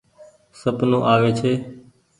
سپنو آوي ڇي۔